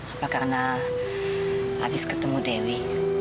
apa karena habis ketemu dewi